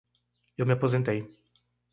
Eu me aposentei.